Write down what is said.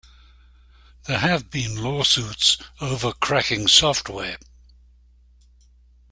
There have been lawsuits over cracking software.